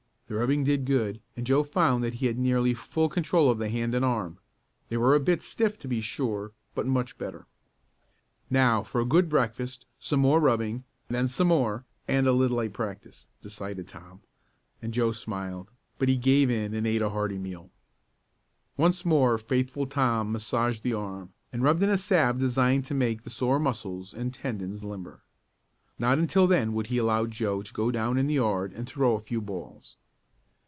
The rubbing did good, and Joe found that he had nearly full control of the hand and arm. They were a bit stiff to be sure, but much better. "Now for a good breakfast, some more rubbing, then some more, and a little light practice," decided Tom, and Joe smiled, but he gave in and ate a hearty meal. Once more faithful Tom massaged the arm, and rubbed in a salve designed to make the sore muscles and tendons limber. Not until then would he allow Joe to go down in the yard and throw a few balls.